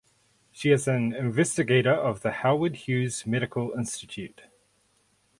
She is an Investigator of the Howard Hughes Medical Institute.